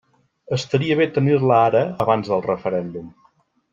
Estaria bé tenir-la ara abans del referèndum.